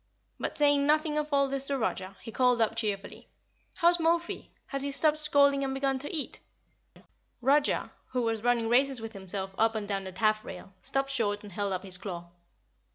But saying nothing of all this to Roger, he called up cheerfully, "How's Mo fi? Has he stopped scolding and begun to eat?" Roger, who was running races with himself up and down the taffrail, stopped short and held up his claw.